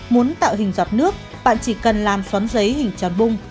muốn tạo hình giọt nước bạn chỉ cần làm xoắn giấy hình tròn bung